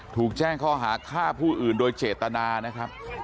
ถูกแจ้งข้อหาฆ่าผู้อื่นโดยเจตนานะครับ